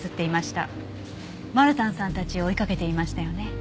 マルタンさんたちを追いかけていましたよね？